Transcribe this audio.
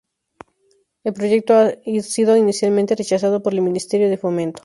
El proyecto ha sido inicialmente rechazado por el Ministerio de Fomento.